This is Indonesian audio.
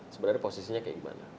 sebenarnya posisinya kayak gimana